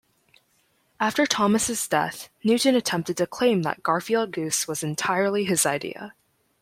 After Thomas' death, Newton attempted to claim that Garfield Goose was entirely his idea.